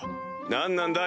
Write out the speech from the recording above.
何なんだ？